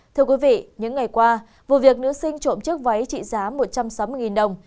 thưa quý vị những ngày qua vụ việc nữ sinh trộm chiếc váy trị giá một trăm sáu mươi đồng